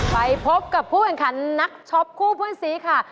ไปพบกับผู้แข่งขันนักช็อปคู่เพื่อนซีค่ะ